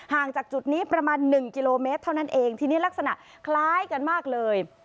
จากจุดนี้ประมาณหนึ่งกิโลเมตรเท่านั้นเองทีนี้ลักษณะคล้ายกันมากเลย